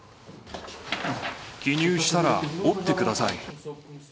記入したら折ってください。